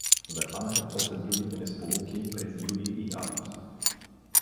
Захванаха после другите несполуки през юли и август.